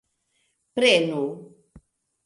prenu